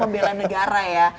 karena bisa membela negara ya